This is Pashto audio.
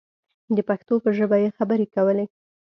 د پښتو په ژبه یې خبرې کولې.